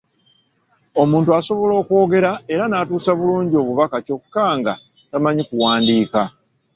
Omuntu asobola okwogera era n'atuusa bulungi obubaka kyokka nga tamanyi kuwandiika!